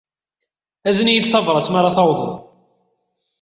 Azen-iyi-d tabṛat mi ara tawḍed.